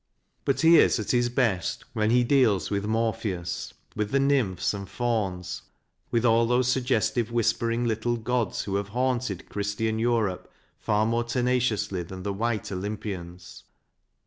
But he is at his best when he deals with Morpheus, with the nymphs and fauns with all those suggestive whispering little gods who have haunted Christian Europe far more tenaci ously than the white Olympians.